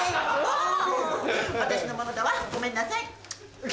うん私のものだわごめんなさい。